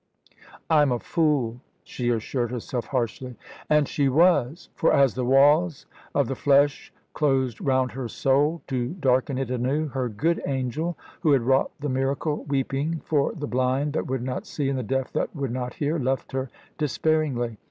"I'm a fool!" she assured herself harshly. And she was. For, as the walls of the flesh closed round her soul, to darken it anew, her good angel, who had wrought the miracle, weeping for the blind that would not see and the deaf that would not hear, left her despairingly.